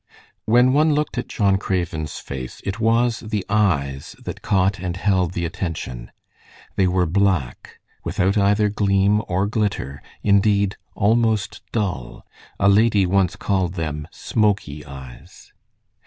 When one looked at John Craven's face, it was the eyes that caught and held the attention. They were black, without either gleam or glitter, indeed almost dull a lady once called them "smoky eyes."